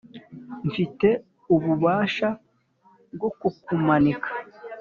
mfite ububasha bwo kukumanika.